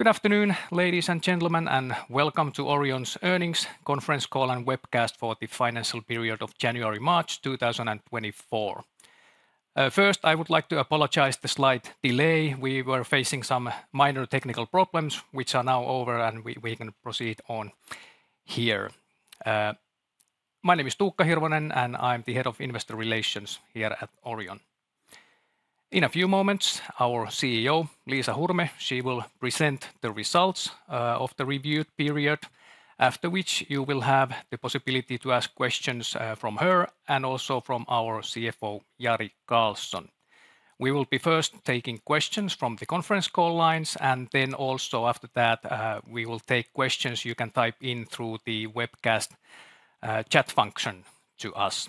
Good afternoon, ladies and gentlemen, and welcome to Orion's earnings conference call and webcast for the financial period of January, March 2024. First, I would like to apologize for the slight delay. We were facing some minor technical problems, which are now over, and we can proceed on here. My name is Tuukka Hirvonen, and I'm the head of investor relations here at Orion. In a few moments, our CEO, Liisa Hurme, will present the results of the reviewed period, after which you will have the possibility to ask questions from her and also from our CFO, Jari Karlson. We will be first taking questions from the conference call lines, and then also after that, we will take questions you can type in through the webcast chat function to us.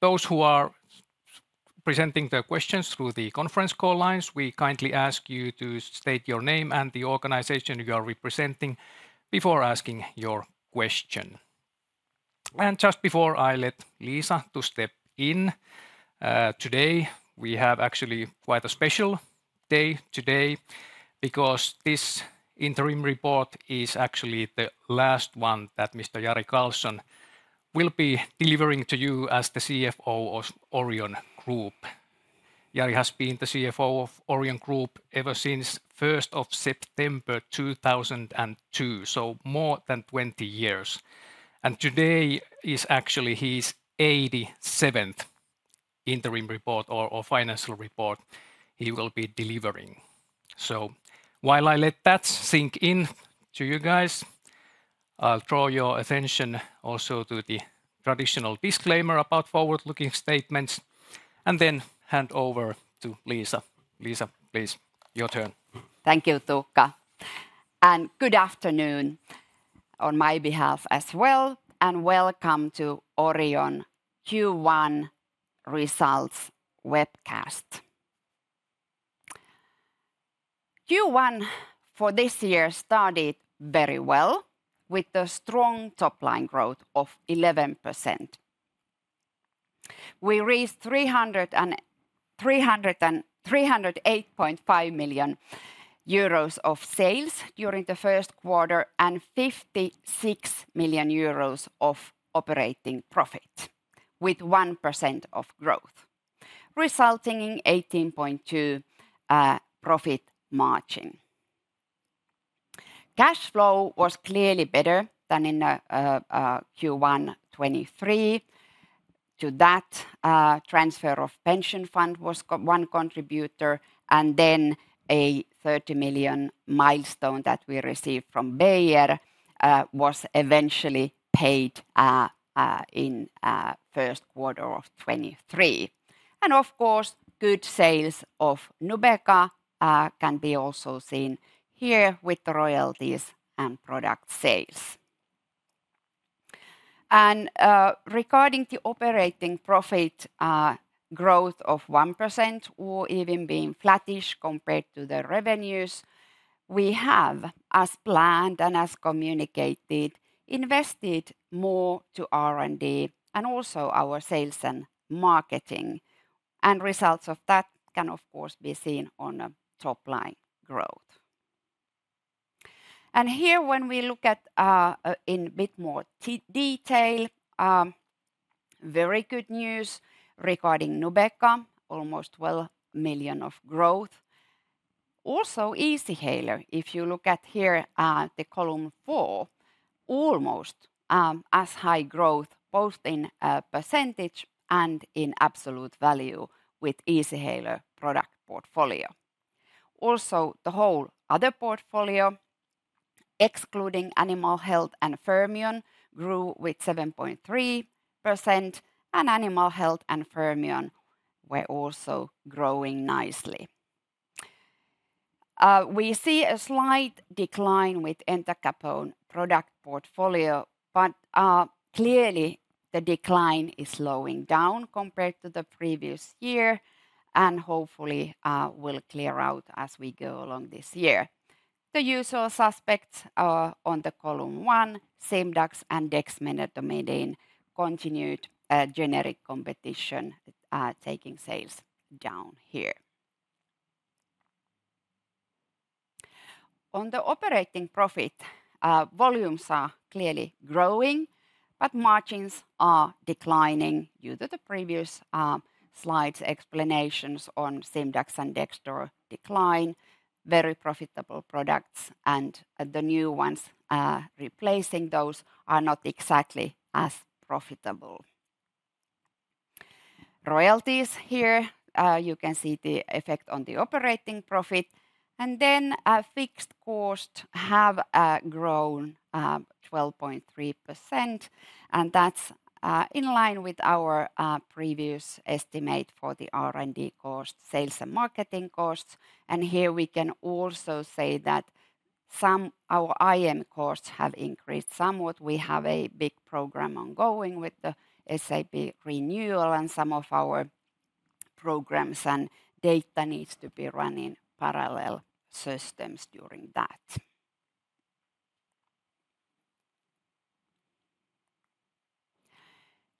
Those who are presenting their questions through the conference call lines, we kindly ask you to state your name and the organization you are representing before asking your question. Just before I let Liisa step in, today we have actually quite a special day today because this interim report is actually the last one that Mr. Jari Karlson will be delivering to you as the CFO of Orion Group. Jari has been the CFO of Orion Group ever since 1st of September 2002, so more than 20 years. Today is actually his 87th interim report or financial report he will be delivering. While I let that sink in to you guys, I'll draw your attention also to the traditional disclaimer about forward-looking statements, and then hand over to Liisa. Liisa, please, your turn. Thank you, Tuukka. Good afternoon on my behalf as well, and welcome to Orion Q1 results webcast. Q1 for this year started very well with a strong top-line growth of 11%. We reached 308.5 million euros of sales during the first quarter and 56 million euros of operating profit with 1% of growth, resulting in 18.2% profit margin. Cash flow was clearly better than in Q1 2023. To that, transfer of pension fund was one contributor, and then a 30 million milestone that we received from Bayer was eventually paid in the first quarter of 2023. And of course, good sales of Nubeqa can be also seen here with the royalties and product sales. And regarding the operating profit growth of 1%, or even being flattish compared to the revenues, we have, as planned and as communicated, invested more to R&D and also our sales and marketing. Results of that can, of course, be seen on the top-line growth. Here, when we look at in a bit more detail, very good news regarding Nubeqa, almost 12 million of growth. Also, Easyhaler, if you look at here at the column 4, almost as high growth both in percentage and in absolute value with Easyhaler product portfolio. Also, the whole other portfolio, excluding Animal Health and Fermion, grew with 7.3%, and Animal Health and Fermion were also growing nicely. We see a slight decline with Entacapone product portfolio, but clearly the decline is slowing down compared to the previous year and hopefully will clear out as we go along this year. The usual suspects on the column 1, Simdax and Dexdomitor and Domitor continued generic competition, taking sales down here. On the operating profit, volumes are clearly growing, but margins are declining due to the previous slides' explanations on Simdax and Dexdomitor decline, very profitable products, and the new ones replacing those are not exactly as profitable. Royalties here, you can see the effect on the operating profit. Then fixed costs have grown 12.3%, and that's in line with our previous estimate for the R&D costs, sales and marketing costs. Here we can also say that some of our IT costs have increased somewhat. We have a big program ongoing with the SAP renewal, and some of our programs and data needs to be running parallel systems during that.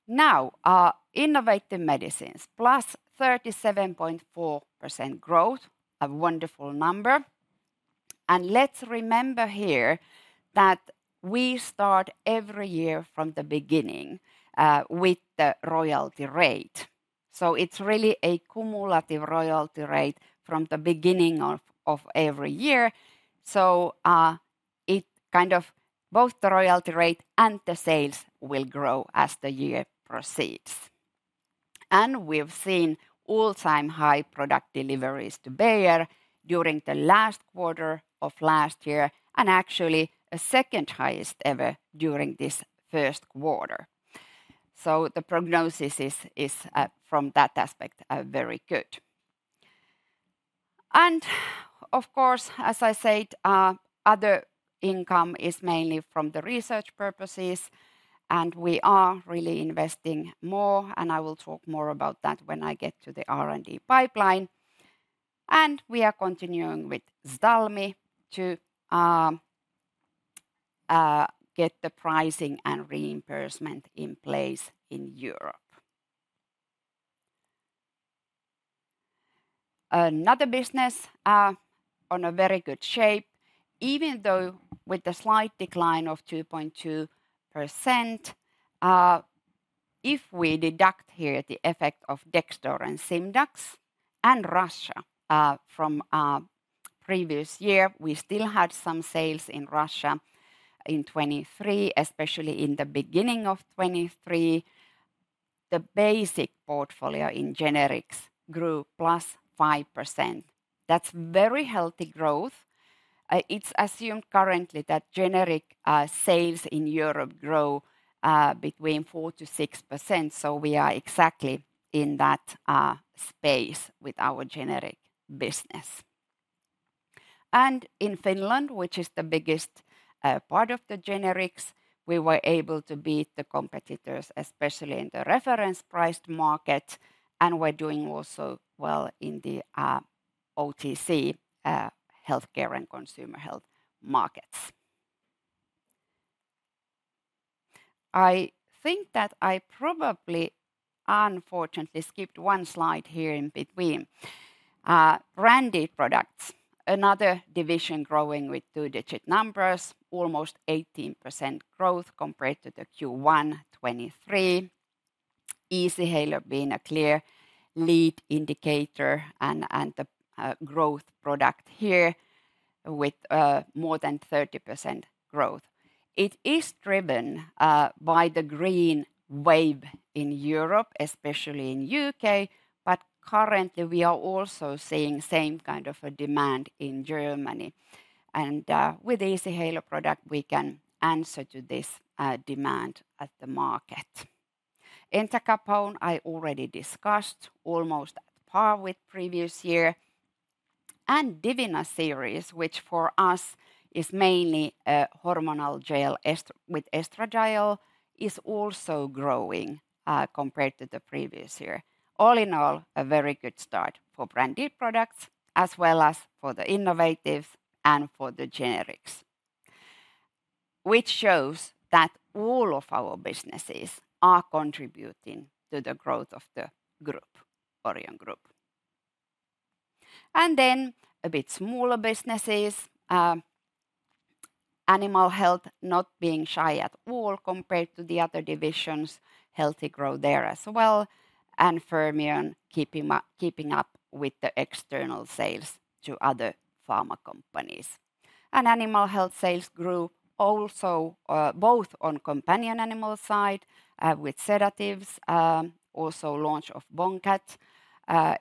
Now, innovative medicines, 37.4%+ growth, a wonderful number. Let's remember here that we start every year from the beginning with the royalty rate. It's really a cumulative royalty rate from the beginning of every year. So it kind of both the royalty rate and the sales will grow as the year proceeds. And we've seen all-time high product deliveries to Bayer during the last quarter of last year and actually a second highest ever during this first quarter. So the prognosis is from that aspect very good. And of course, as I said, other income is mainly from the research purposes, and we are really investing more, and I will talk more about that when I get to the R&D pipeline. And we are continuing with Ztalmy to get the pricing and reimbursement in place in Europe. Another business in very good shape, even though with the slight decline of 2.2%. If we deduct here the effect of Dexdor and Simdax and Russia from previous year, we still had some sales in Russia in 2023, especially in the beginning of 2023. The basic portfolio in generics grew +5%. That's very healthy growth. It's assumed currently that generic sales in Europe grow between 4%-6%. So we are exactly in that space with our generic business. And in Finland, which is the biggest part of the generics, we were able to beat the competitors, especially in the reference priced market, and we're doing also well in the OTC healthcare and consumer health markets. I think that I probably, unfortunately, skipped one slide here in between. Branded products, another division growing with two-digit numbers, almost 18% growth compared to the Q1 2023. Easyhaler being a clear lead indicator and the growth product here with more than 30% growth. It is driven by the green wave in Europe, especially in the U.K., but currently we are also seeing the same kind of demand in Germany. With Easyhaler product, we can answer to this demand in the market. Entacapone, I already discussed, almost on par with previous year. Divina series, which for us is mainly hormonal gel with estradiol, is also growing compared to the previous year. All in all, a very good start for branded products as well as for the innovatives and for the generics, which shows that all of our businesses are contributing to the growth of the group, Orion Group. Then a bit smaller businesses, animal health not being shy at all compared to the other divisions, healthy growth there as well, and Fermion keeping up with the external sales to other pharma companies. Animal health sales grew also both on companion animal side with sedatives, also launch of Bonqat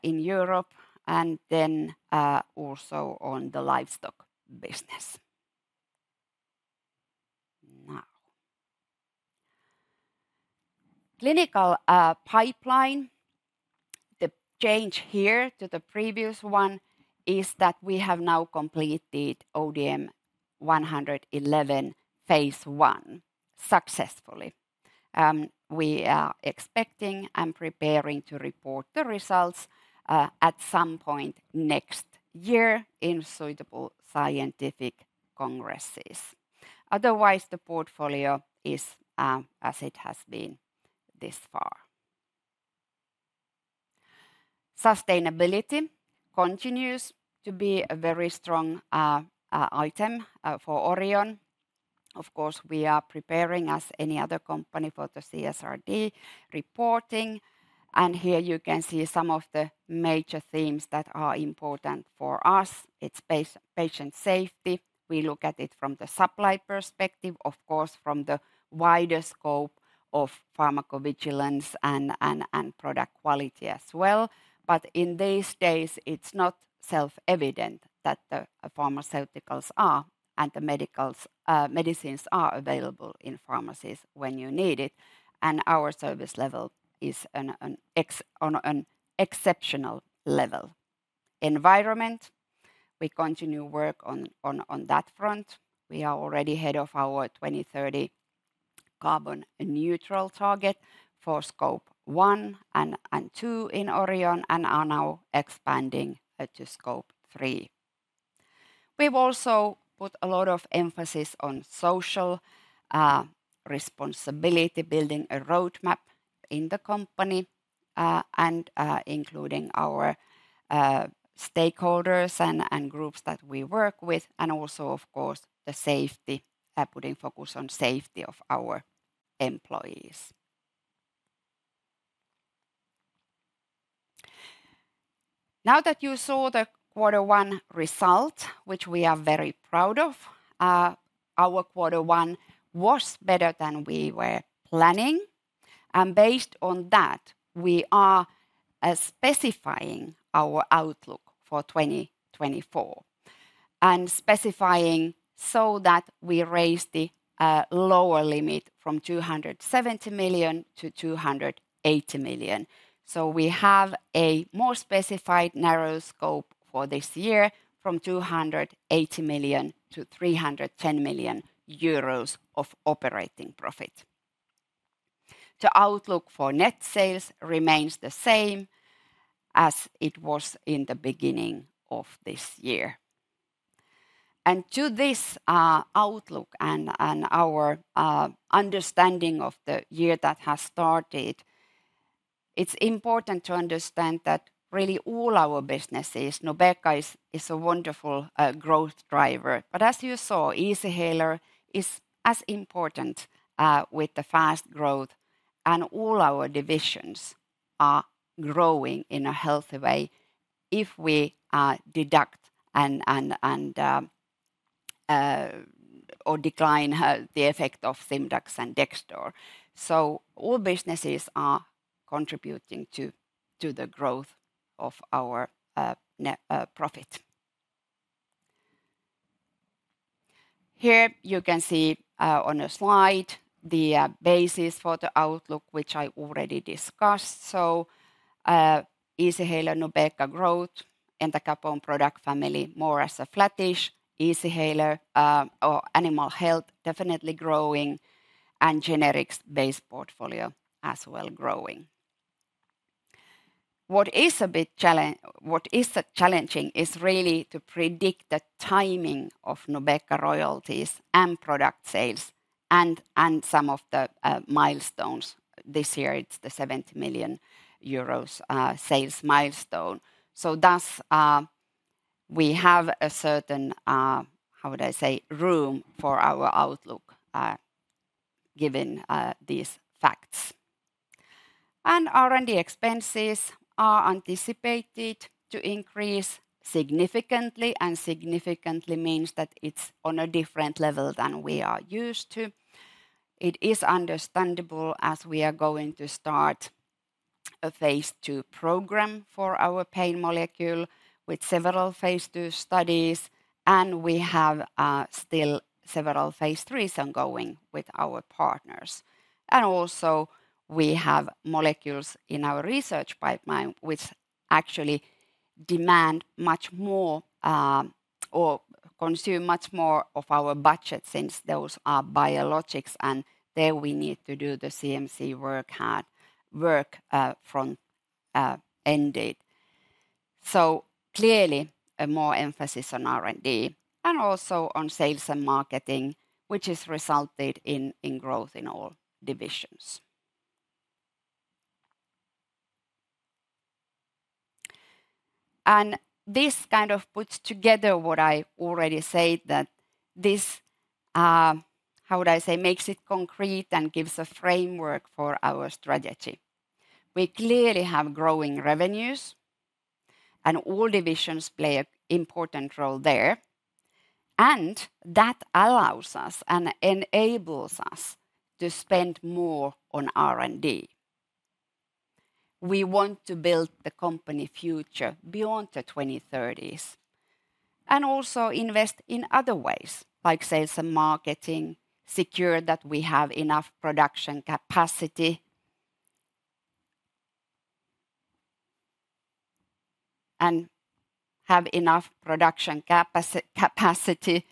in Europe, and then also on the livestock business. Now, clinical pipeline, the change here to the previous one is that we have now completed ODM-111 phase I successfully. We are expecting and preparing to report the results at some point next year in suitable scientific congresses. Otherwise, the portfolio is as it has been this far. Sustainability continues to be a very strong item for Orion. Of course, we are preparing, as any other company, for the CSRD reporting. Here you can see some of the major themes that are important for us. It's patient safety. We look at it from the supply perspective, of course, from the wider scope of pharmacovigilance and product quality as well. But in these days, it's not self-evident that the pharmaceuticals are and the medicines are available in pharmacies when you need it. Our service level is on an exceptional level. Environment, we continue to work on that front. We are already ahead of our 2030 carbon neutral target for Scope 1 and Scope 2 in Orion and are now expanding to Scope 3. We've also put a lot of emphasis on social responsibility, building a roadmap in the company and including our stakeholders and groups that we work with, and also, of course, the safety, putting focus on the safety of our employees. Now that you saw the quarter one result, which we are very proud of, our quarter one was better than we were planning. And based on that, we are specifying our outlook for 2024 and specifying so that we raised the lower limit from 270 million-280 million. So we have a more specified narrow scope for this year from 280 million-310 million euros of operating profit. The outlook for net sales remains the same as it was in the beginning of this year. To this outlook and our understanding of the year that has started, it's important to understand that really all our businesses, Nubeqa is a wonderful growth driver. But as you saw, Easyhaler is as important with the fast growth and all our divisions are growing in a healthy way if we deduct and/or decline the effect of Simdax and Dexdor. All businesses are contributing to the growth of our profit. Here you can see on a slide the basis for the outlook, which I already discussed. Easyhaler, Nubeqa growth, entacapone product family more as a flattish, Easyhaler, our animal health definitely growing, and generics-based portfolio as well growing. What is a bit challenging is really to predict the timing of Nubeqa royalties and product sales and some of the milestones. This year, it's the 70 million euros sales milestone. So thus, we have a certain, how would I say, room for our outlook given these facts. And R&D expenses are anticipated to increase significantly, and significantly means that it's on a different level than we are used to. It is understandable as we are going to start a phase II program for our pain molecule with several phase II studies, and we have still several phase IIIs ongoing with our partners. And also, we have molecules in our research pipeline, which actually demand much more or consume much more of our budget since those are biologics, and there we need to do the CMC work from end to end. So clearly, more emphasis on R&D and also on sales and marketing, which has resulted in growth in all divisions. And this kind of puts together what I already said, that this, how would I say, makes it concrete and gives a framework for our strategy. We clearly have growing revenues, and all divisions play an important role there. And that allows us and enables us to spend more on R&D. We want to build the company future beyond the 2030s and also invest in other ways, like sales and marketing, secure that we have enough production capacity and have enough production capacity.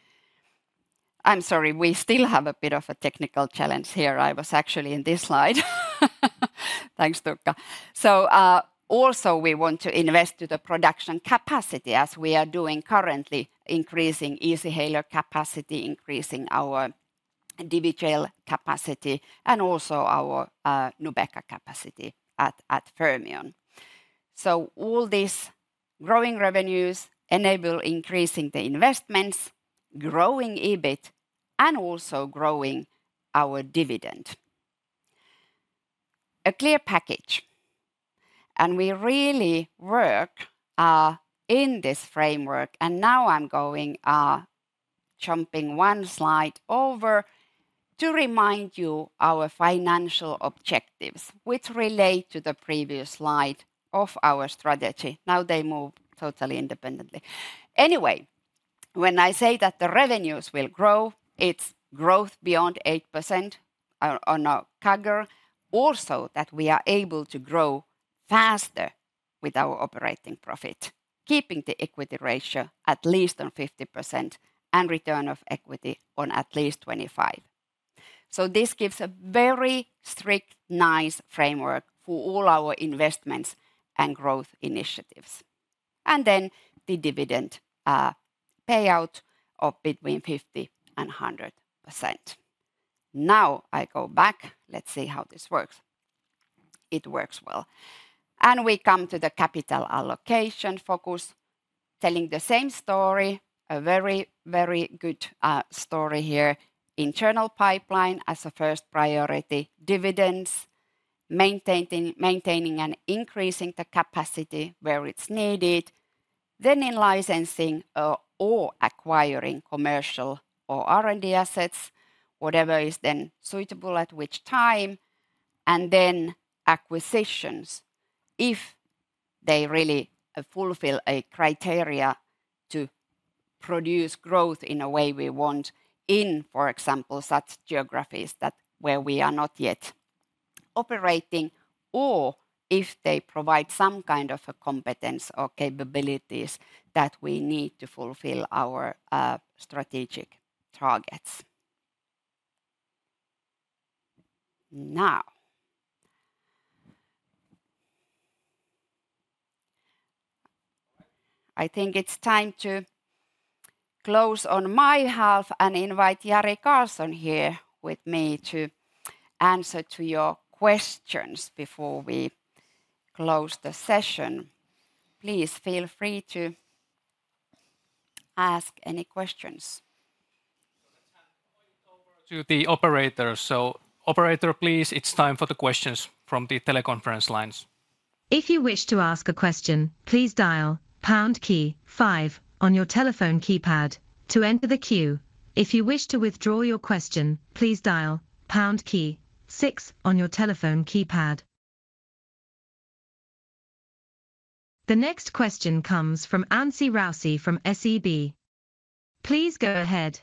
I'm sorry, we still have a bit of a technical challenge here. I was actually in this slide. Thanks, Tuukka. So also, we want to invest to the production capacity as we are doing currently, increasing Easyhaler capacity, increasing our DiviGel capacity, and also our Nubeqa capacity at Fermion. So all these growing revenues enable increasing the investments, growing EBIT, and also growing our dividend. A clear package. And we really work, in this framework. And now I'm going, jumping one slide over to remind you our financial objectives, which relate to the previous slide of our strategy. Now they move totally independently. Anyway, when I say that the revenues will grow, it's growth beyond 8% on a CAGR, also that we are able to grow faster with our operating profit, keeping the equity ratio at least on 50% and return on equity on at least 25%. So this gives a very strict, nice framework for all our investments and growth initiatives. And then the dividend payout of between 50%-100%. Now I go back. Let's see how this works. It works well. And we come to the capital allocation focus, telling the same story, a very, very good story here: internal pipeline as a first priority, dividends, maintaining and increasing the capacity where it's needed. Then, licensing or acquiring commercial or R&D assets, whatever is then suitable at which time. And then acquisitions, if they really fulfill a criteria to produce growth in a way we want in, for example, such geographies that where we are not yet operating, or if they provide some kind of a competence or capabilities that we need to fulfill our strategic targets. Now, I think it's time to close on my half and invite Jari Karlson here with me to answer to your questions before we close the session. Please feel free to ask any questions. Let's hand over to the operator. So, operator, please, it's time for the questions from the teleconference lines. If you wish to ask a question, please dial pound key five on your telephone keypad to enter the queue. If you wish to withdraw your question, please dial pound key six on your telephone keypad. The next question comes from Anssi Raussi from SEB. Please go ahead.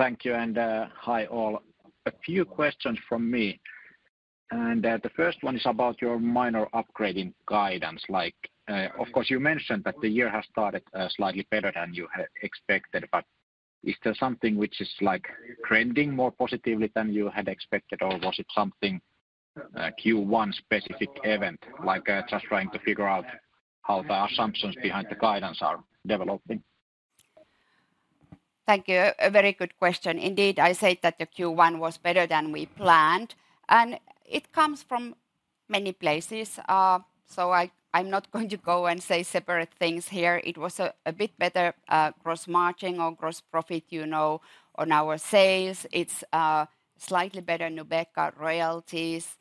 Thank you. Hi all. A few questions from me. The first one is about your minor upgrading guidance. Of course, you mentioned that the year has started slightly better than you had expected, but is there something which is trending more positively than you had expected, or was it something Q1-specific event, like just trying to figure out how the assumptions behind the guidance are developing? Thank you. A very good question. Indeed, I said that the Q1 was better than we planned. It comes from many places, so I'm not going to go and say separate things here. It was a bit better gross margin or gross profit, you know, on our sales. It's slightly better Nubeqa royalties,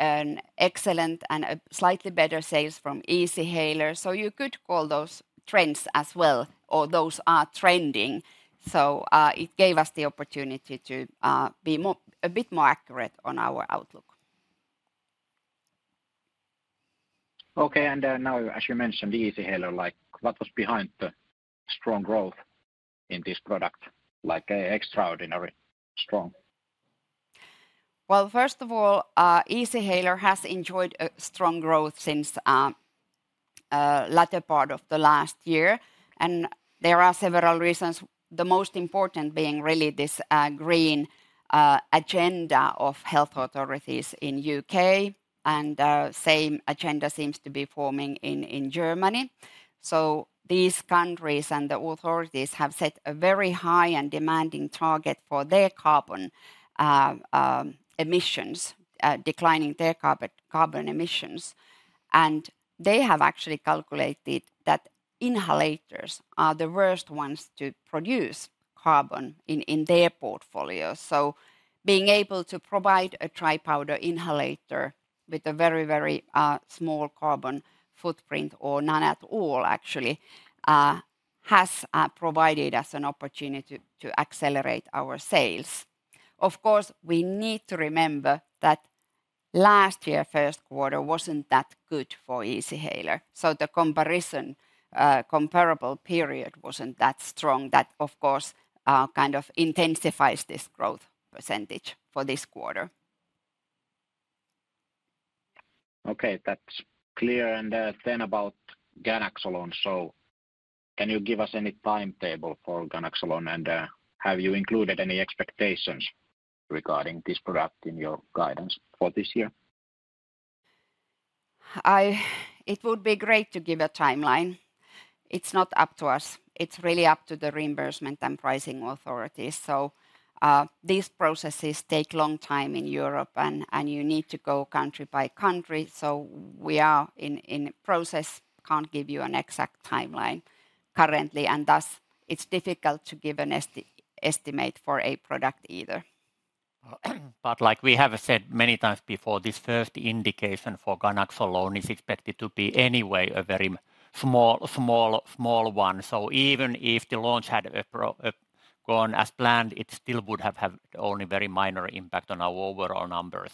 excellent, and slightly better sales from Easyhaler. So you could call those trends as well, or those are trending. So it gave us the opportunity to be a bit more accurate on our outlook. Okay. And now, as you mentioned, the Easyhaler, what was behind the strong growth in this product, like extraordinary strong? Well, first of all, Easyhaler has enjoyed a strong growth since the latter part of the last year. There are several reasons, the most important being really this green agenda of health authorities in the U.K. The same agenda seems to be forming in Germany. These countries and the authorities have set a very high and demanding target for their carbon emissions, declining their carbon emissions. They have actually calculated that inhalers are the worst ones to produce carbon in their portfolio. Being able to provide a dry powder inhaler with a very, very small carbon footprint, or none at all actually, has provided us an opportunity to accelerate our sales. Of course, we need to remember that last year's first quarter wasn't that good for Easyhaler. The comparable period wasn't that strong that, of course, kind of intensifies this growth percentage for this quarter. Okay. That's clear. And then about ganaxolone. So can you give us any timetable for ganaxolone? And have you included any expectations regarding this product in your guidance for this year? It would be great to give a timeline. It's not up to us. It's really up to the reimbursement and pricing authorities. These processes take a long time in Europe, and you need to go country by country. We are in process, can't give you an exact timeline currently. Thus, it's difficult to give an estimate for a product either. But like we have said many times before, this first indication for ganaxolone is expected to be anyway a very small, small, small one. So even if the launch had gone as planned, it still would have had only a very minor impact on our overall numbers.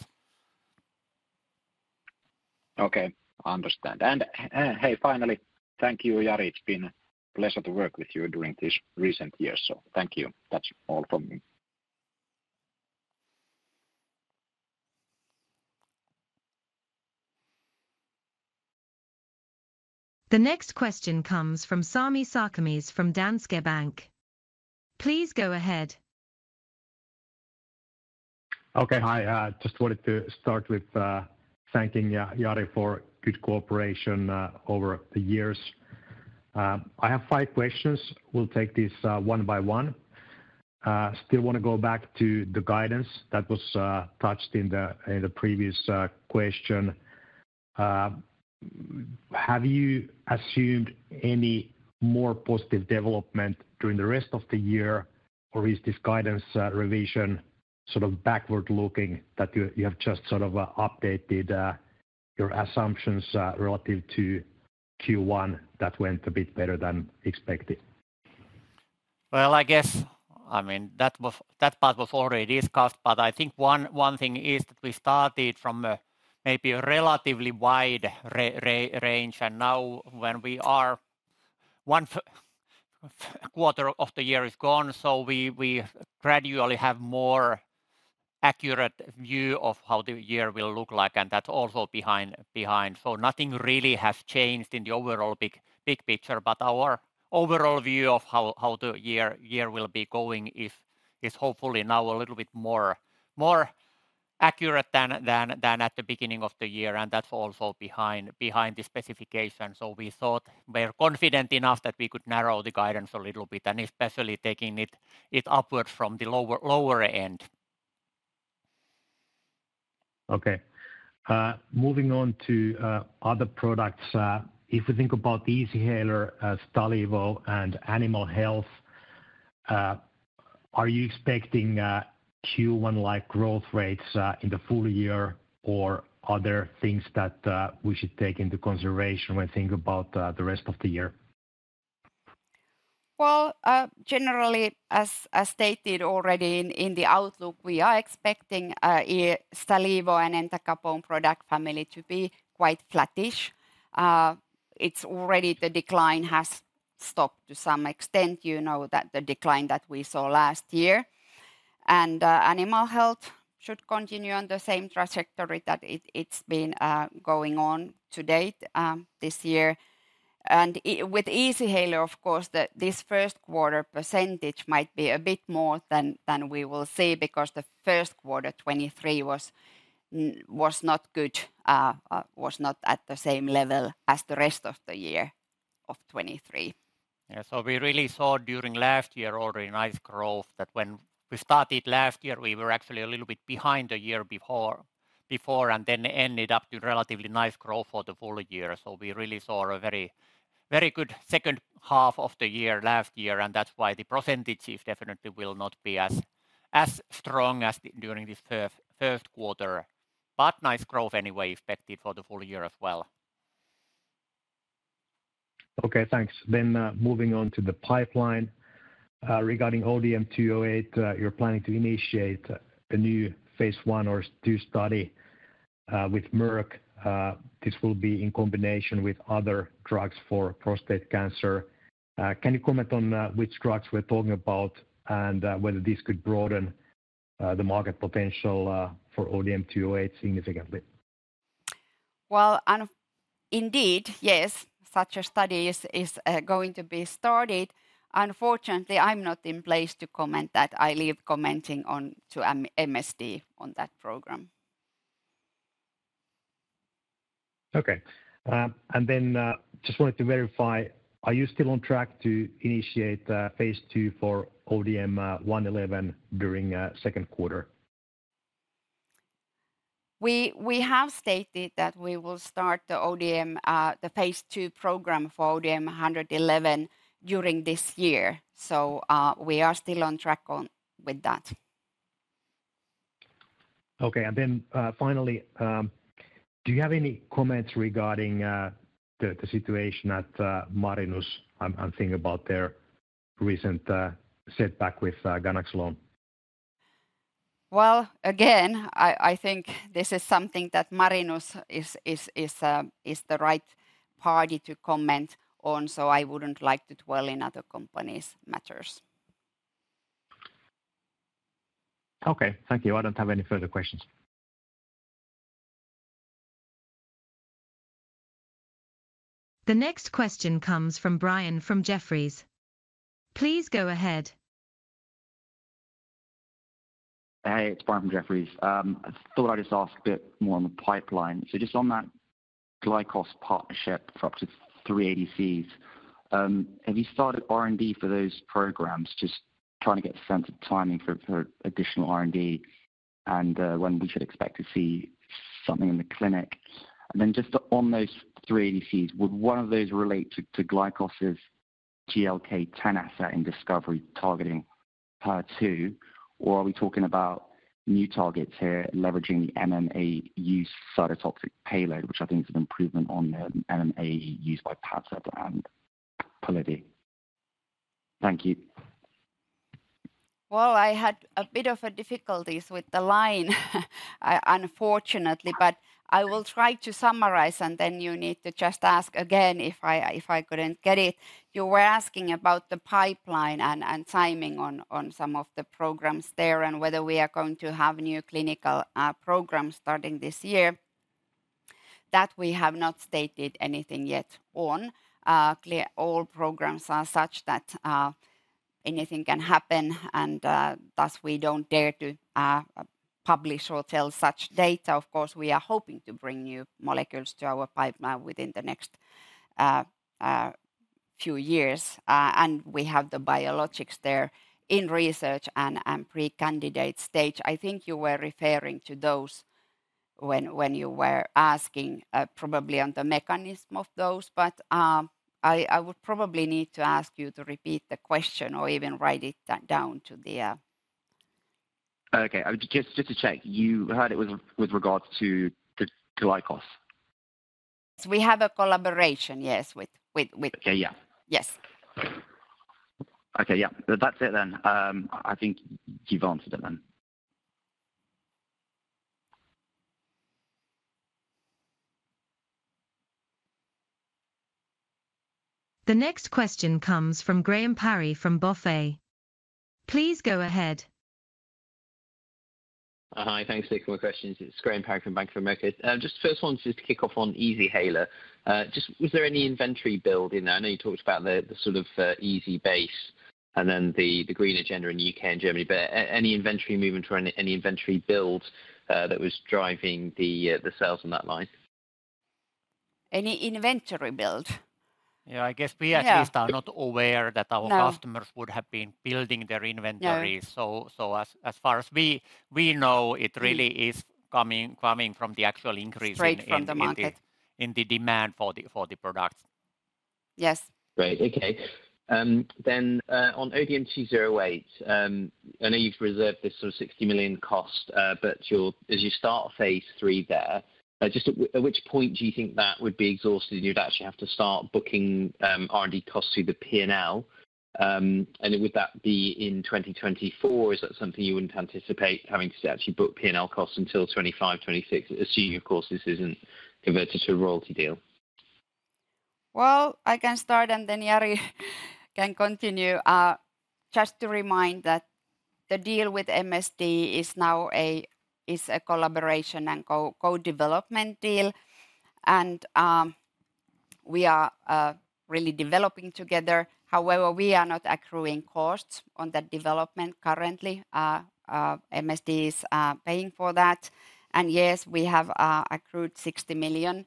Okay. I understand. And hey, finally, thank you, Jari. It's been a pleasure to work with you during these recent years. So thank you. That's all from me. The next question comes from Sami Sarkamies from Danske Bank. Please go ahead. Okay. Hi. I just wanted to start with thanking Jari for good cooperation over the years. I have five questions. We'll take these one by one. I still want to go back to the guidance that was touched in the previous question. Have you assumed any more positive development during the rest of the year, or is this guidance revision sort of backward-looking that you have just sort of updated your assumptions relative to Q1 that went a bit better than expected? Well, I guess, I mean, that part was already discussed. But I think one thing is that we started from maybe a relatively wide range. And now when we are one quarter of the year is gone, so we gradually have a more accurate view of how the year will look like. And that's also behind. So nothing really has changed in the overall big picture. But our overall view of how the year will be going is hopefully now a little bit more accurate than at the beginning of the year. And that's also behind the specification. So we thought we're confident enough that we could narrow the guidance a little bit, and especially taking it upwards from the lower end. Okay. Moving on to other products. If we think about Easyhaler, Stalivo, and Animal Health, are you expecting Q1-like growth rates in the full year, or other things that we should take into consideration when thinking about the rest of the year? Well, generally, as stated already in the outlook, we are expecting Stalivo and Entacapone product family to be quite flattish. It's already the decline has stopped to some extent, you know, that the decline that we saw last year. And Animal Health should continue on the same trajectory that it's been going on to date this year. And with Easyhaler, of course, this first quarter percentage might be a bit more than we will see because the first quarter, 2023, was not good, was not at the same level as the rest of the year of 2023. Yeah. So we really saw during last year already nice growth that when we started last year, we were actually a little bit behind the year before, and then ended up with relatively nice growth for the full year. So we really saw a very good second half of the year last year. And that's why the percentage shift definitely will not be as strong as during this first quarter. But nice growth anyway expected for the full year as well. Okay. Thanks. Then moving on to the pipeline. Regarding ODM-208, you're planning to initiate a new phase I or two study with Merck. This will be in combination with other drugs for prostate cancer. Can you comment on which drugs we're talking about and whether this could broaden the market potential for ODM-208 significantly? Well, indeed, yes, such a study is going to be started. Unfortunately, I'm not in place to comment that. I leave commenting on to MSD on that program. Okay. And then just wanted to verify, are you still on track to initiate phase II for ODM-111 during second quarter? We have stated that we will start the phase II program for ODM-111 during this year. So we are still on track with that. Okay. And then finally, do you have any comments regarding the situation at Marinus? I'm thinking about their recent setback with ganaxolone. Well, again, I think this is something that Marinus is the right party to comment on. So I wouldn't like to dwell in other companies' matters. Okay. Thank you. I don't have any further questions. The next question comes from Brian from Jefferies. Please go ahead. Hey, it's Brian from Jefferies. I thought I'd just ask a bit more on the pipeline. So just on that Glykos partnership for up to three ADCs, have you started R&D for those programs, just trying to get a sense of timing for additional R&D and when we should expect to see something in the clinic? And then just on those three ADCs, would one of those relate to Glykos's GLK-10 asset in discovery targeting HER2, or are we talking about new targets here leveraging the MMAU cytotoxic payload, which I think is an improvement on the MMAU used by PBD and PolyDOX? Thank you. Well, I had a bit of difficulties with the line, unfortunately. But I will try to summarize, and then you need to just ask again if I couldn't get it. You were asking about the pipeline and timing on some of the programs there and whether we are going to have new clinical programs starting this year. That we have not stated anything yet on. All programs are such that anything can happen. And thus, we don't dare to publish or tell such data. Of course, we are hoping to bring new molecules to our pipeline within the next few years. And we have the biologics there in research and pre-candidate stage. I think you were referring to those when you were asking probably on the mechanism of those. But I would probably need to ask you to repeat the question or even write it down. Okay. Just to check, you heard it was with regards toGlykos? Yes. We have a collaboration, yes, with. Okay. Yeah. Yes. Okay. Yeah. That's it then. I think you've answered it then. The next question comes from Graham Parry from Bank of America. Please go ahead. Hi. Thanks for the questions. It's Graham Parry from Bank of America. Just the first one, just to kick off on Easyhaler. Was there any inventory build in there? I know you talked about the sort of easy base and then the green agenda in the U.K. and Germany. But any inventory movement or any inventory build that was driving the sales on that line? Any inventory build? Yeah. I guess we at least are not aware that our customers would have been building their inventories. So as far as we know, it really is coming from the actual increase in the demand for the products. Yes. Great. Okay. Then on ODM-208, I know you've reserved this sort of 60 million cost. But as you start phase III there, at which point do you think that would be exhausted and you'd actually have to start booking R&D costs through the P&L? And would that be in 2024? Is that something you wouldn't anticipate having to actually book P&L costs until 2025, 2026, assuming, of course, this isn't converted to a royalty deal? Well, I can start and then Jari can continue. Just to remind that the deal with MSD is now a collaboration and co-development deal. We are really developing together. However, we are not accruing costs on that development currently. MSD is paying for that. Yes, we have accrued 60 million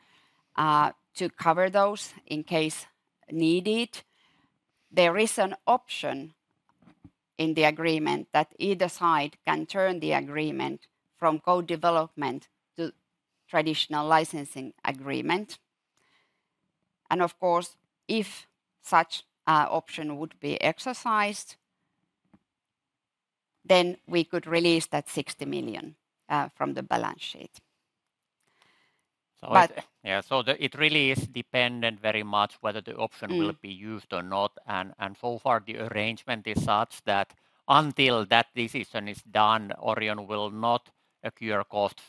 to cover those in case needed. There is an option in the agreement that either side can turn the agreement from co-development to traditional licensing agreement. Of course, if such an option would be exercised, then we could release that 60 million from the balance sheet. Yeah. So it really is dependent very much whether the option will be used or not. And so far, the arrangement is such that until that decision is done, Orion will not accrue costs.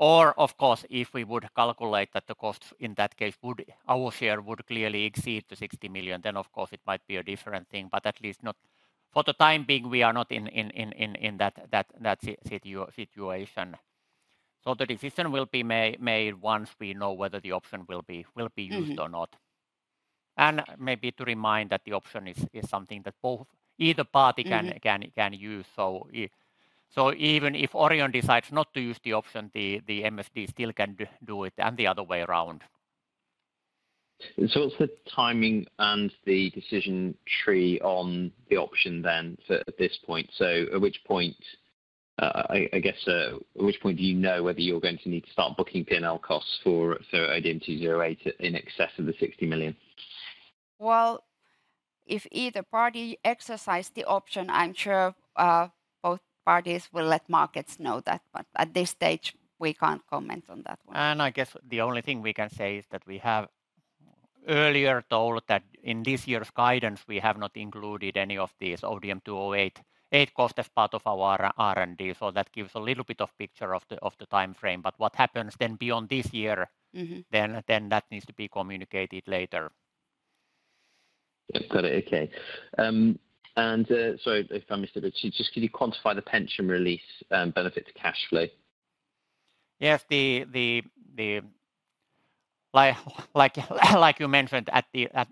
Or of course, if we would calculate that the costs in that case would our share would clearly exceed 60 million, then of course, it might be a different thing. But at least not for the time being, we are not in that situation. So the decision will be made once we know whether the option will be used or not. And maybe to remind that the option is something that either party can use. So even if Orion decides not to use the option, the MSD still can do it and the other way around. So it's the timing and the decision tree on the option then at this point. So at which point, I guess, at which point do you know whether you're going to need to start booking P&L costs for ODM-208 in excess of the 60 million? Well, if either party exercises the option, I'm sure both parties will let markets know that. But at this stage, we can't comment on that one. I guess the only thing we can say is that we have earlier told that in this year's guidance, we have not included any of these ODM-208 costs as part of our R&D. That gives a little bit of picture of the timeframe. What happens then beyond this year, then that needs to be communicated later. Okay. Sorry if I missed a bit. Just can you quantify the pension release benefit to cash flow? Yes. Like you mentioned,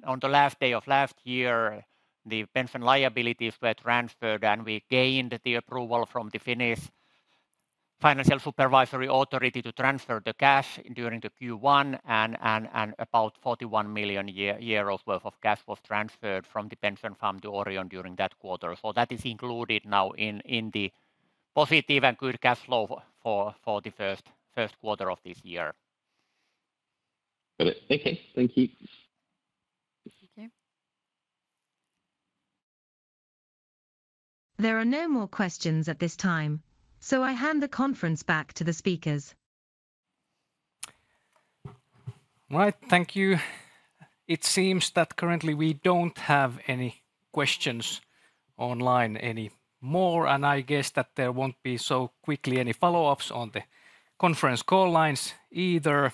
on the last day of last year, the pension liabilities were transferred, and we gained the approval from the Finnish Financial Supervisory Authority to transfer the cash during the Q1. And about 41 million euros worth of cash was transferred from the pension fund to Orion during that quarter. So that is included now in the positive and good cash flow for the first quarter of this year. Got it. Okay. Thank you. Okay. There are no more questions at this time. So I hand the conference back to the speakers. All right. Thank you. It seems that currently we don't have any questions online anymore. And I guess that there won't be so quickly any follow-ups on the conference call lines either.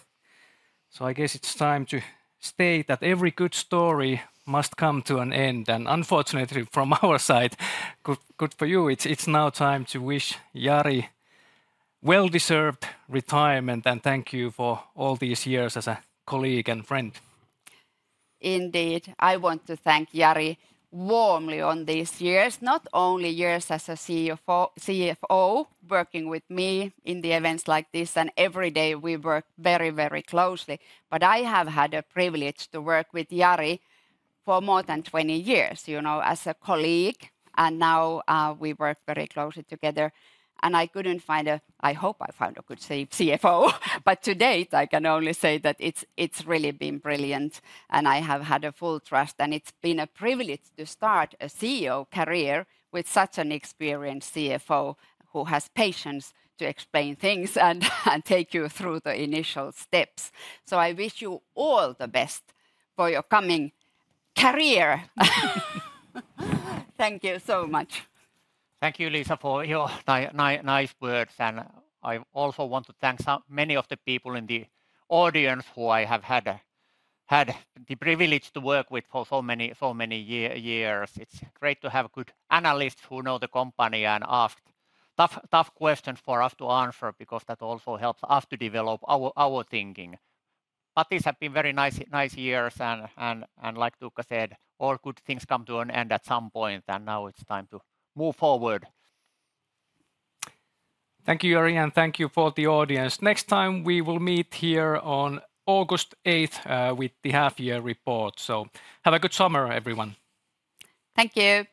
So I guess it's time to state that every good story must come to an end. And unfortunately, from our side, good for you, it's now time to wish Jari well-deserved retirement. And thank you for all these years as a colleague and friend. Indeed. I want to thank Jari warmly for these years, not only for years as a CFO working with me in events like this. Every day, we work very, very closely. I have had the privilege to work with Jari for more than 20 years as a colleague. Now we work very closely together. I couldn't find a—I hope I found a good CFO. To date, I can only say that it's really been brilliant. I have had full trust. It's been a privilege to start a CEO career with such an experienced CFO who has patience to explain things and take you through the initial steps. I wish you all the best for your coming career. Thank you so much. Thank you, Liisa, for your nice words. I also want to thank many of the people in the audience who I have had the privilege to work with for so many years. It's great to have good analysts who know the company and ask tough questions for us to answer because that also helps us to develop our thinking. These have been very nice years. Like Tuukka said, all good things come to an end at some point. Now it's time to move forward. Thank you, Jari. Thank you for the audience. Next time, we will meet here on August 8th with the half-year report. Have a good summer, everyone. Thank you.